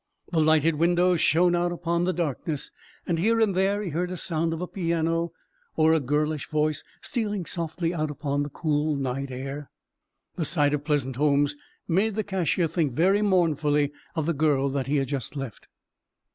The lighted windows shone out upon the darkness. Here and there he heard the sound of a piano, or a girlish voice stealing softly out upon the cool night air. The sight of pleasant homes made the cashier think very mournfully of the girl he had just left.